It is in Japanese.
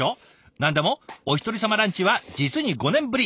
何でもおひとり様ランチは実に５年ぶり。